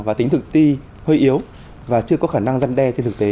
và tính thực thi hơi yếu và chưa có khả năng giăn đe trên thực tế